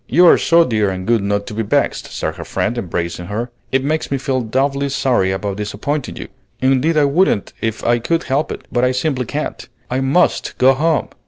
"You are so dear and good not to be vexed," said her friend, embracing her. "It makes me feel doubly sorry about disappointing you. Indeed I wouldn't if I could help it, but I simply can't. I must go home.